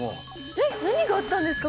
えっ何があったんですか？